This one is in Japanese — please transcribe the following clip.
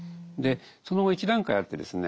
その後一段階あってですね